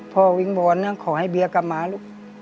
วิงวอนนะขอให้เบียกลับมาลูก